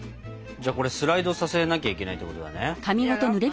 じゃあこれスライドさせなきゃいけないってことだね。